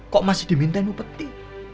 kok masih dimintain upeti